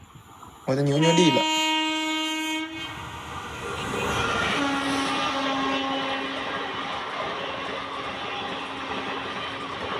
我的牛牛立了